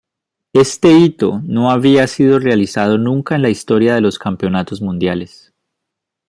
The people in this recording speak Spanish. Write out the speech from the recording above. Este hito no había sido realizado nunca en la historia de los campeonatos mundiales.